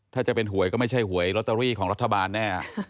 ถ้าจะเป็นหวยก็ไม่ใช่หวยลอตเตอรี่ของรัฐบาลแน่